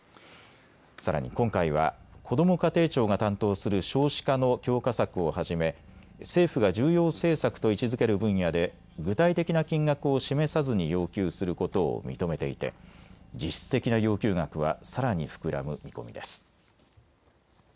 さらに今回はこども家庭庁が担当する少子化の強化策をはじめ、政府が重要政策と位置づける分野で具体的な金額を示さずに要求することを認めていて実質的な要求額はさらに膨らむ見込みです。